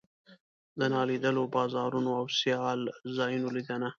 د نالیدلو بازارونو او سیال ځایونو لیدنه.